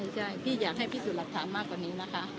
ใช่พี่อยากให้พี่สุดรับถามมากกว่านี้นะคะ